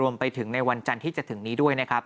รวมไปถึงในวันจันทร์ที่จะถึงนี้ด้วยนะครับ